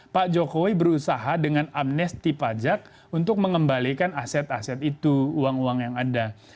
pak jokowi berusaha dengan amnesti pajak untuk mengembalikan aset aset itu uang uang yang ada